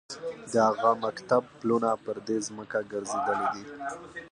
د هغه مکتب پلونه پر دې ځمکه ګرځېدلي دي.